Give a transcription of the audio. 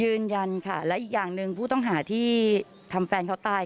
ยืนยันค่ะและอีกอย่างหนึ่งผู้ต้องหาที่ทำแฟนเขาตาย